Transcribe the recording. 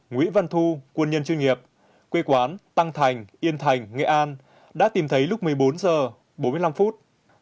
nguyễn văn thu quân nhân chuyên nghiệp quê quán tăng thành yên thành nghệ an đã tìm thấy lúc một mươi bốn h bốn mươi năm phút